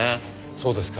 そうですか。